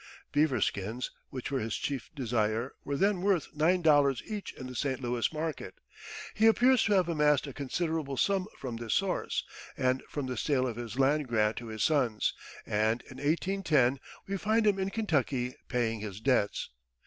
Beaver skins, which were his chief desire, were then worth nine dollars each in the St. Louis market. He appears to have amassed a considerable sum from this source, and from the sale of his land grant to his sons, and in 1810 we find him in Kentucky paying his debts.